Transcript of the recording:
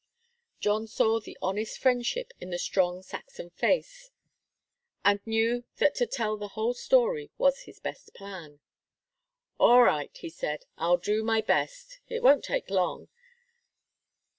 John saw the honest friendship in the strong Saxon face, and knew that to tell the whole story was his best plan. "All right," he said. "I'll do my best. It won't take long.